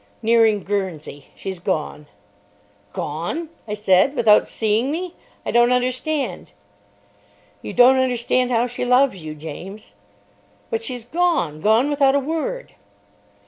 "Nearing Guernsey. She's gone." "Gone!" I said. "Without seeing me! I don't understand." "You don't understand how she loves you, James." "But she's gone. Gone without a word."